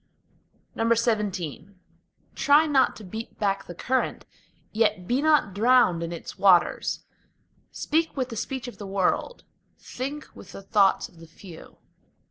XVII Try not to beat back the current, yet be not drowned in its waters; Speak with the speech of the world, think with the thoughts of the few.